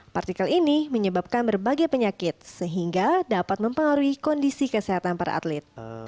partikel ini menyebabkan berbagai penyakit sehingga dapat mempengaruhi kondisi kesehatan para atlet